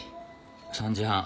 ３時半。